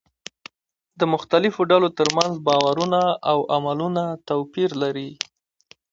د مختلفو ډلو ترمنځ باورونه او عملونه توپير لري.